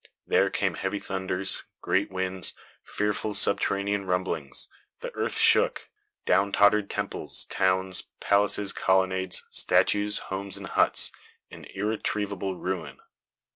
There came heavy thunders, great winds, fearful subterranean rumblings; the earth shook; down tottered temples, towns, palaces, colonnades, statues, homes and huts, in irretrievable ruin.